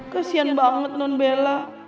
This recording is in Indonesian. kesian banget non bella